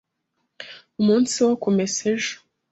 Umunsi wo kumesa ejo.